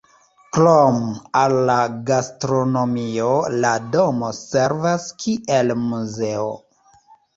Krom al la gastronomio la domo servas kiel muzeo.